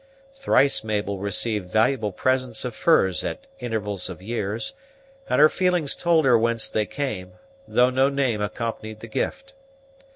Thrice Mabel received valuable presents of furs at intervals of years; and her feelings told her whence they came, though no name accompanied the gift.